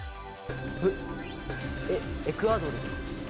エクアドル？